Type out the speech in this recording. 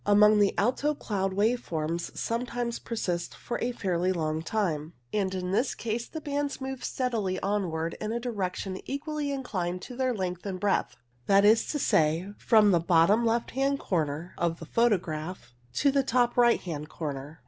Among the alto clouds wave forms sometimes R 122 WAVE CLOUDS persist for a fairly long time, and in this case the bands moved steadily onward in a direction equally inclined to their length and breadth, that is to say, from the bottom left hand corner of the photograph to the top right hand corner.